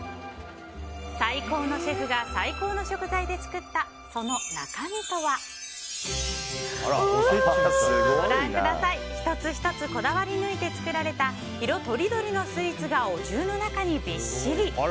最高のシェフが最高の食材で作ったその中身とはご覧ください、１つ１つこだわり抜いて作られた色とりどりのスイーツがお重の中にビッシリ。